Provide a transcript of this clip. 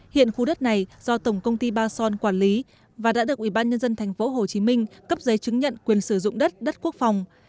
hiện khu đất này do tổng công ty ba son quản lý và đã được ubnd tp hcm cấp giấy chứng nhận quyền sử dụng đất đất quốc phòng